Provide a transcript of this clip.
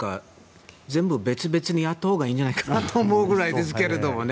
全部別々にやったほうがいいんじゃないかなと思うぐらいですけどね。